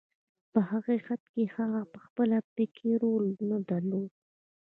په حقیقت کې هغه پخپله پکې رول نه درلود.